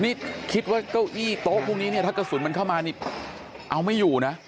นี่คิดว่าเก้าอี้โต๊ะพวกนี้เนี่ยถ้ากระสุนมันเข้ามานี่เอาไม่อยู่นะ